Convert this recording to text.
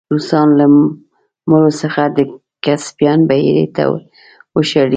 روسان له مرو څخه د کسپین بحیرې ته وشړی.